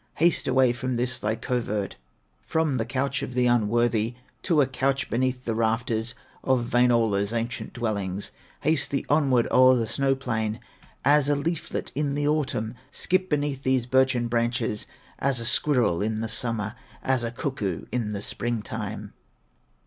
Haste away from this thy covert, From the couch of the unworthy, To a couch beneath the rafters Of Wainola's ancient dwellings. Haste thee onward o'er the snow plain, As a leaflet in the autumn; Skip beneath these birchen branches, As a squirrel in the summer, As a cuckoo in the spring time."